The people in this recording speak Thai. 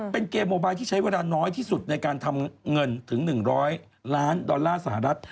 เป็นเกมโมบายที่ใช้เวลาน้อยที่สุดในการทำเงินถึง๑๐๐ล้านดอลลาร์สหรัฐ